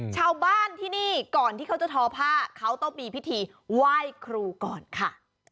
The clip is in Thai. ชาวบ้านที่นี่ก่อนที่เขาจะทอผ้าเขาต้องมีพิธีไหว้ครูก่อนค่ะ